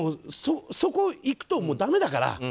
そこにいくともうだめだから。